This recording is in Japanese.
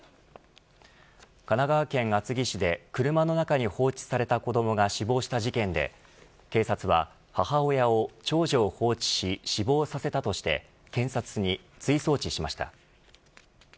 神奈川県厚木市で車の中に放置された子どもが死亡した事件で警察は母親を長女を放置し死亡させたとして検察に追送致しました。